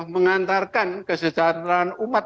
mengantarkan kesejahteraan umat